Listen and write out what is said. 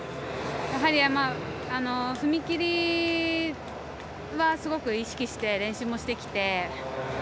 やはり、踏み切りはすごく意識して練習もしてきて。